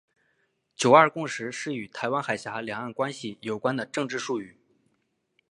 九二共识是与台湾海峡两岸关系有关的政治术语。